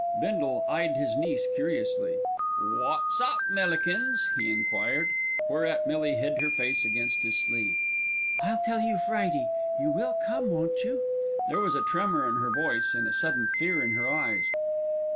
Bindle eyed his niece curiously. "Wot's up, Millikins?" he enquired; whereat Millie hid her face against his sleeve. "I'll tell 'you Friday. You will come, won't you?" There was a tremor in her voice, and a sudden fear in her eyes.